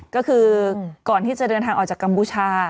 ก็คือก่อนที่จะเดินทางออกจากกัมพูชา